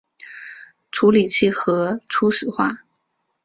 处理器核初始化